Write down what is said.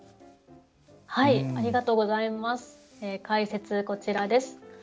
解説こちらです。